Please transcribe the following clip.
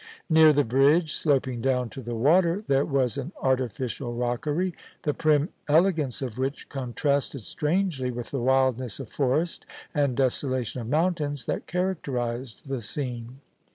Near the bridge, sloping down to the water, there was an artificial rockery, the prim elegance of which contrasted strangely with the wild ness of forest and desolation of mountains that characterised the scene.